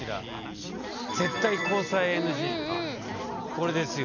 これですよ。